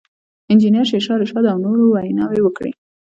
انجنیر شېرشاه رشاد او نورو ویناوې وکړې.